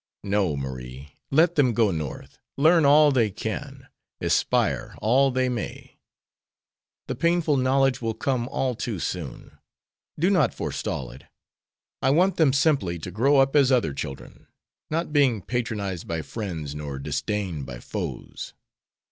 No, Marie, let them go North, learn all they can, aspire all they may. The painful knowledge will come all too soon. Do not forestall it. I want them simply to grow up as other children; not being patronized by friends nor disdained by foes."